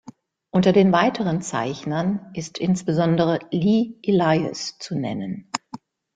Unter den weiteren Zeichnern ist insbesondere Lee Elias zu nennen.